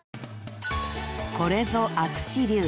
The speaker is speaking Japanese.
［これぞ淳流。